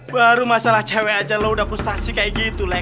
baru masalah cewek aja lo udah frustasi kayak gitu lah